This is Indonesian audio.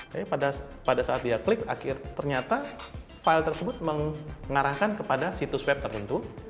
jadi pada saat dia klik akhirnya ternyata file tersebut mengarahkan kepada situs web tertentu